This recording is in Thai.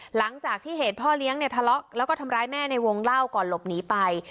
หลังจากที่เหตุพ่อเลี้ยงเนี่ยทะเลาะแล้วก็ทำร้ายแม่ในวงเล่าก่อนหลบหนีไป